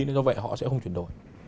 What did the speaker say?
nên do vậy họ sẽ không chuyển đổi